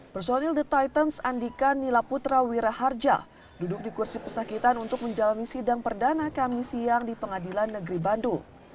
personil the titans andika nila putra wiraharja duduk di kursi pesakitan untuk menjalani sidang perdana kami siang di pengadilan negeri bandung